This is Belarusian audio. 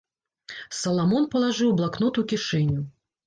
Саламон палажыў блакнот у кішэню.